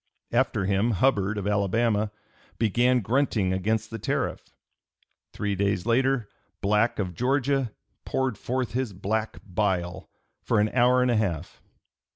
After him Hubbard, of Alabama, "began grunting against the tariff." Three days later Black, of Georgia, "poured forth his black bile" for an hour and a half.